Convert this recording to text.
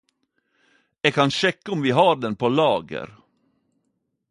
Eg kan sjekke om vi har den på lager..